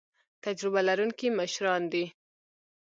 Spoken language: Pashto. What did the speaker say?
تجربه لرونکي مشران دي